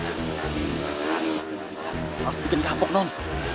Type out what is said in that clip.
harus bikin kapok nom